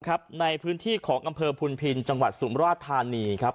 ในพื้นที่ของอำเภอพุนพินจังหวัดสุมราชธานีครับ